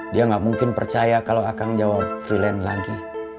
dia gak mungkin percaya kalau akang jauh freelance lagi